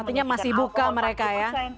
artinya masih buka mereka ya